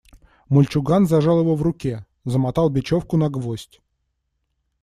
Мальчуган зажал его в руке, замотал бечевку на гвоздь.